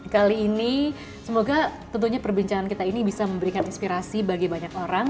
kali ini semoga tentunya perbincangan kita ini bisa memberikan inspirasi bagi banyak orang